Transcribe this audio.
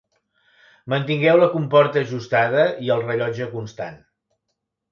Mantingueu la comporta ajustada i el rellotge constant.